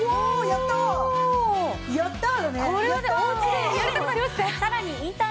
やった！